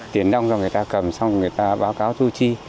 tiến đong cho người ta cầm xong người ta báo cáo thu chi